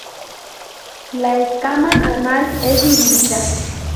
La escama anal es dividida.